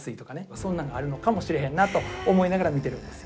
そんなんがあるのかもしれへんなと思いながら見てるんですよ。